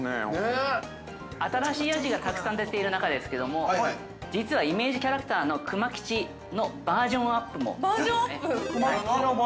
◆新しい味がたくさん出ている中ですけれども、実はイメージキャラクターのくま吉のバージョンアップも。